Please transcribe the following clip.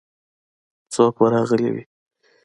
څوک به راغلي وي.